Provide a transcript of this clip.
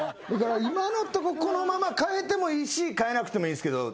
今のとここのまま変えてもいいし変えなくてもいいですけど。